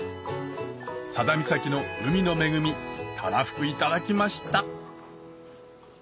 佐田岬の海の恵みたらふくいただきました！